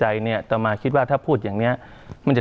หลวงพี่ค่ะทำไมไม่ใช้พื้นที่อื่นคะ